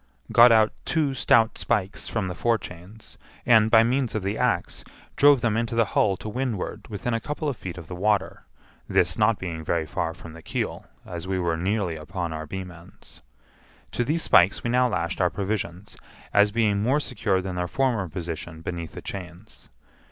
Got out two stout spikes from the forechains, and, by means of the axe, drove them into the hull to windward within a couple of feet of the water, this not being very far from the keel, as we were nearly upon our beam ends. To these spikes we now lashed our provisions, as being more secure than their former position beneath the chains.